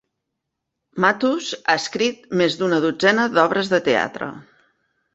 Matthus ha escrit més d'una dotzena d'obres de teatre.